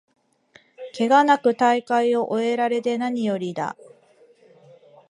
ケガなく大会を終えられてなによりだ